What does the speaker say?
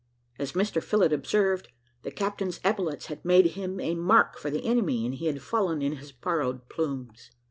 As Mr Phillott observed, the captain's epaulets had made him a mark for the enemy, and he had fallen in his borrowed plumes.